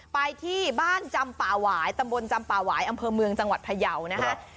ไปที่บ้านจำป่าหวายตำบลจำป่าหวายอำเภอเมืองจังหวัดพยาวนะฮะ